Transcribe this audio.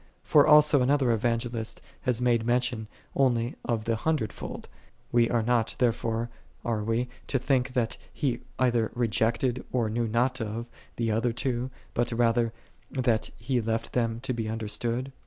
1 Kor also another Kvangelist liath made mention only of the hundred told : we arc not, tiu ret'ore, are we, to think that he either rejeeted, or knew not of, tin other two, but rather that he left them to be understood